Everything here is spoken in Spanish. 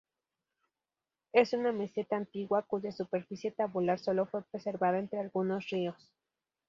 Es una meseta antigua, cuya superficie tabular sólo fue preservada entre algunos ríos.